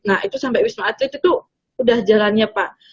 nah itu sampai wisma atlet itu udah jalannya pak